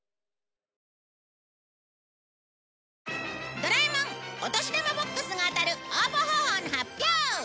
ドラえもんお年玉ＢＯＸが当たる応募方法の発表！